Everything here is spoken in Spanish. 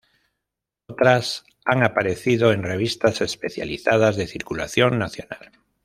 Otras han aparecido en revistas especializadas de circulación nacional.